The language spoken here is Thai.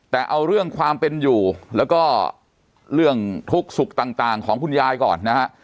แต่เอาเรื่องความเป็นอยู่แล้วก็เรื่องทุกข์สุขต่างของคุณยายก่อนนะฮะ